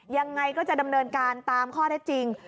ยังไงก็จะดำเนินการตามข้อเท็จจริง